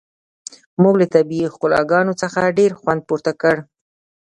موږ له طبیعي ښکلاګانو څخه ډیر خوند پورته کړ